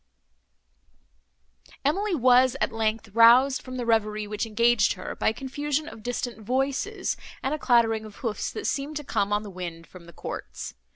She was, at length, roused from the reverie which engaged her, by a confusion of distant voices, and a clattering of hoofs, that seemed to come, on the wind, from the courts.